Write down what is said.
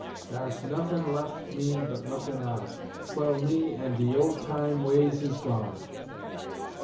Dar's nuffin lef' me but lookin' on Twel me an' de ol' time ways is gone.